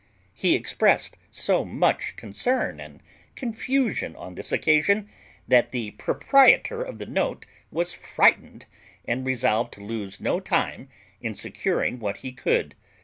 He expressed so much concern and confusion on this occasion, that the proprietor of the note was frightened, and resolved to lose no time in securing what he could.